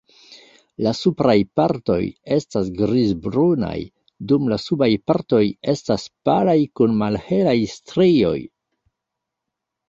La supraj partoj estas grizbrunaj dum la subaj partoj estas palaj kun malhelaj strioj.